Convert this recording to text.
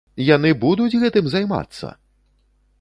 Яны будуць гэтым займацца?!